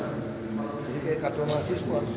jadi kayak kartu mahasiswa